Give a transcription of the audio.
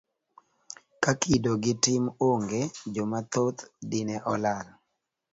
Ka kido gi tim onge, joma dhoth dine olal.